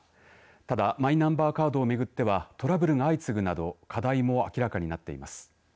ただマイナンバーカードを巡ってはトラブルが相次ぐなど課題も明らかになっています。